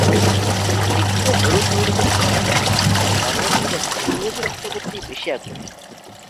শিক্ষিত তরুণ-তরুণীদের একাংশ মাতৃভাষা বাংলার পরিবর্তে ইংরেজি রপ্ত করতেই বেশি আগ্রহী।